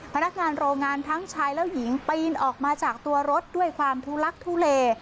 พนักงานโรงงานทั้งชายและหญิงปีนออกมาจากตัวรถด้วยความทุลักทุเล